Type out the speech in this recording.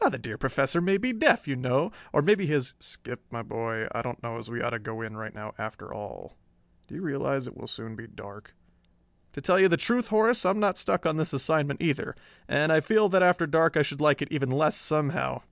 The dear Professor may be deaf, you know, or maybe he's " "Skip, my boy, I don't know as we ought to go in right now after all. Do you realize it will soon be dark?" "To tell you the truth, Horace, I'm not stuck on this assignment either. And I feel that after dark I should like it even less, somehow.